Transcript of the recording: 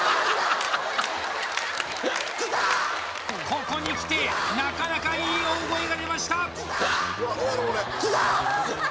ここにきてなかなかいい大声が出ました臭っ！